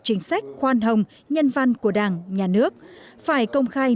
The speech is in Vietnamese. chính sách khoan hồng nhân văn của đảng nhà nước phải công khai